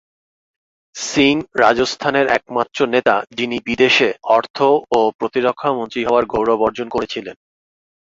সিং রাজস্থানের একমাত্র নেতা যিনি বিদেশ, অর্থ ও প্রতিরক্ষা মন্ত্রী হওয়ার গৌরব অর্জন করেছিলেন।